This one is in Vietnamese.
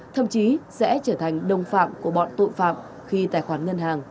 thậm chí sẽ trở thành đồng phạm của bọn tội phạm khi tài khoản ngân hàng